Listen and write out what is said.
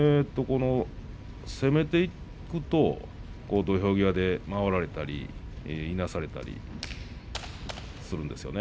攻めていくと土俵際で回られたりいなされたりするんですよね。